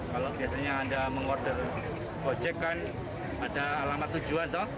kalau biasanya anda mengorder gojek kan ada alamat tujuan